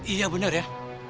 iya bener ya